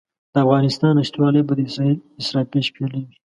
د افغانستان نشتوالی به د اسرافیل شپېلۍ وي.